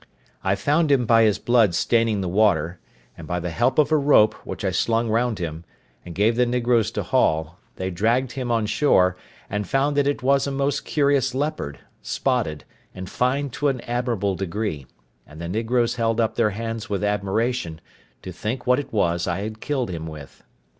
I found him by his blood staining the water; and by the help of a rope, which I slung round him, and gave the negroes to haul, they dragged him on shore, and found that it was a most curious leopard, spotted, and fine to an admirable degree; and the negroes held up their hands with admiration, to think what it was I had killed him with.